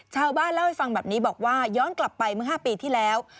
ชาวบ้านเล่าให้ฟังแบบนี้บอกว่าย้อนกลับไปเมื่อ๕ปีที่แล้ว